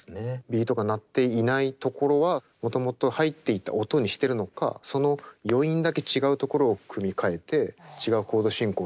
ビートが鳴っていないところはもともと入っていた音にしてるのかその余韻だけ違うところを組み替えて違うコード進行を作っていってるのか。